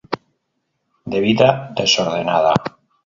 De vida desordenada.